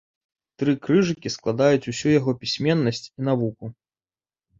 Тры крыжыкі складаюць усю яго пісьменнасць і навуку.